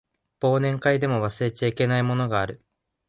忘年会でも忘れちゃいけないものがある